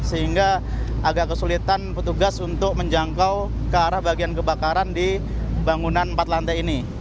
sehingga agak kesulitan petugas untuk menjangkau ke arah bagian kebakaran di bangunan empat lantai ini